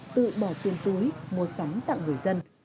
tự bỏ tiền túi mua sắm tặng người dân